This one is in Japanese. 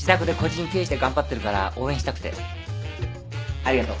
ありがとう